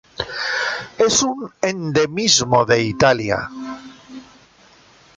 Es un endemismo de Italia.